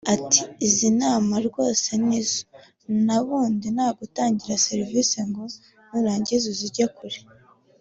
Ati “ Izina nama rwose ni zo n’ubundi nta gutangira serivisi ngo nurangiza uzijye kure